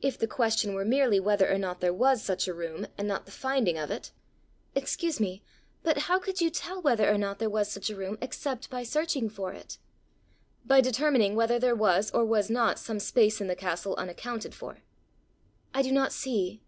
"If the question were merely whether or not there was such a room, and not the finding of it, " "Excuse me but how could you tell whether there was or was not such a room except by searching for it?" "By determining whether there was or was not some space in the castle unaccounted for." "I do not see."